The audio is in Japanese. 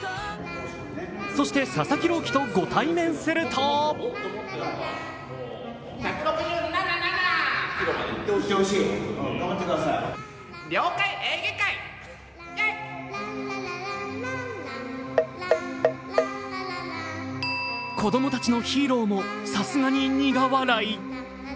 そして佐々木朗希とご対面すると子供たちのヒーローもさすがに苦笑い。